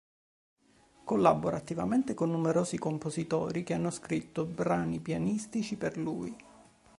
Collabora attivamente con numerosi compositori che hanno scritto brani pianistici per lui.